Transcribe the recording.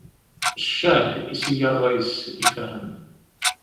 Ccah, i s-iga rray-is i Fahem.